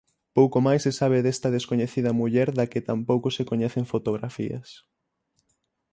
Pouco máis se sabe desta descoñecida muller da que tampouco se coñecen fotografías.